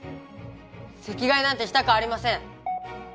席替えなんてしたくありません！